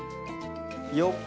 よっ。